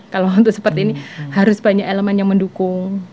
kalau untuk seperti ini harus banyak elemen yang mendukung